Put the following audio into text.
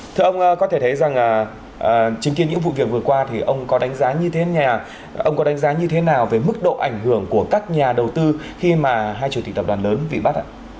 thưa ông có thể thấy rằng chứng kiến những vụ việc vừa qua thì ông có đánh giá như thế nào về mức độ ảnh hưởng của các nhà đầu tư khi mà hai chủ tịch tập đoàn lớn bị bắt ạ